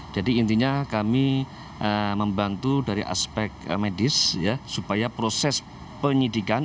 jadi intinya kami membantu dari aspek medis supaya proses penyidikan